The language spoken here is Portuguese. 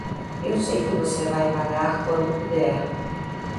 Eu sei que você vai pagar quando puder.